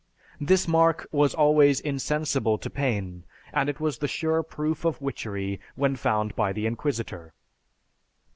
This mark was always insensible to pain, and it was the sure proof of witchery when found by the inquisitor.